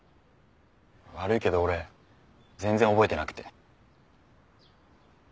悪いけど俺全然覚えてなくて。